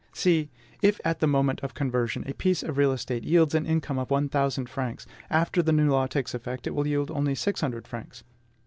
See! If at the moment of conversion a piece of real estate yields an income of one thousand francs, after the new law takes effect it will yield only six hundred francs.